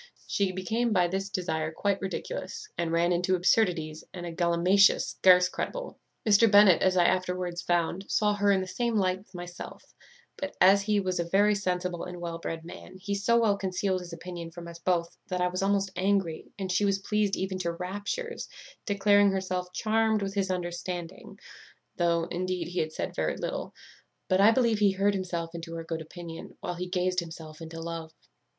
She became by this desire quite ridiculous, and ran into absurdities and a gallimatia scarce credible. "Mr. Bennet, as I afterwards found, saw her in the same light with myself; but, as he was a very sensible and well bred man, he so well concealed his opinion from us both, that I was almost angry, and she was pleased even to raptures, declaring herself charmed with his understanding, though, indeed, he had said very little; but I believe he heard himself into her good opinion, while he gazed himself into love.